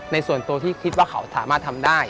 ในส่วนตัวที่คิดว่าเขาสามารถทำได้